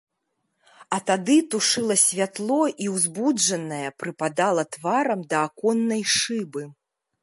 А тады тушыла святло і, узбуджаная, прыпадала тварам да аконнай шыбы.